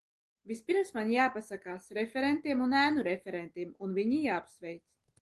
Vispirms man jāpasakās referentiem un ēnu referentiem un viņi jāapsveic.